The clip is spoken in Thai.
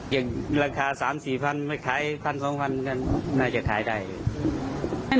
อย่างราคาสามสี่พันไม่ขายพันสองพันกันน่าจะขายได้อืม